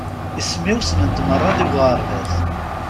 Isem-iw ssnen-t merra deg uɣerbaz.